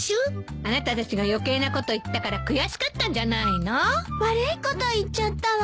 あなたたちが余計なこと言ったから悔しかったんじゃないの？悪いこと言っちゃったわ。